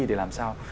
để làm sao